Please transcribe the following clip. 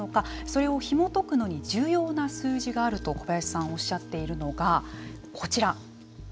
それをひもとくのに重要な数字があると小林さんはおっしゃっているのがこちら。